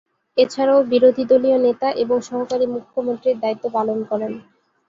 এছাড়াও বিরোধী দলীয় নেতা এবং সহকারী মুখ্যমন্ত্রীর দায়িত্ব পালন করেন।